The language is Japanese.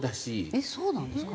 えっそうなんですか？